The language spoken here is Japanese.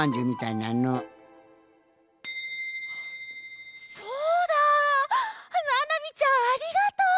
ななみちゃんありがとう！